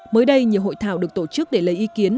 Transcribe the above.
mới đây nhiều hội thảo được tổ chức để lấy ý kiến